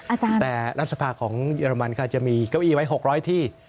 อาจารย์แต่รัฐสภาของเยอรมันจะมีเก้าอี้ไว้๖๐๐ที่